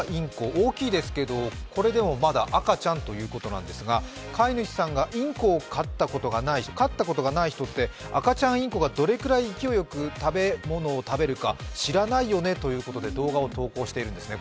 大きいですけど、これでもまだ赤ちゃんということなんですが、飼い主さんが、インコを飼ったことがない人って赤ちゃんインコがどれくらい勢いよく食べ物を食べるか知らないよねということで動画を投稿してるんですね。